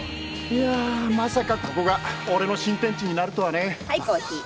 いやまさかここが俺の新天地になるとはね。はいコーヒー。